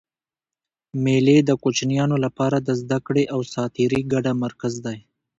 مېلې د کوچنيانو له پاره د زدهکړي او ساتېري ګډ مرکز دئ.